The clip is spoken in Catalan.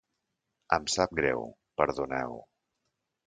Em sap greu, perdoneu.